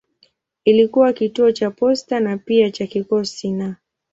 Ilikuwa kituo cha posta na pia cha kikosi na.